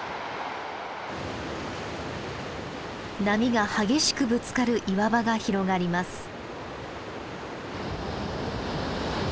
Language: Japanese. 波が激しくぶつかる岩場が広がります。